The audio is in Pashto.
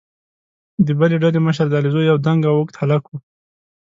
د بلې ډلې مشر د علیزو یو دنګ او اوږد هلک وو.